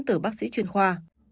từ bác sĩ chuyên khoa